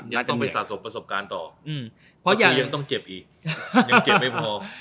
ยังต้องไปสะสมประสบการณ์ต่อเพราะยายยังต้องเจ็บอีกยังเจ็บไม่พอ